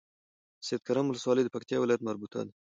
سيدکرم ولسوالۍ د پکتيا ولايت مربوطه ده